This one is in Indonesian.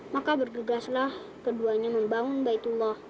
maka bertugaslah keduanya membangun baitullah